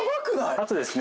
あとですね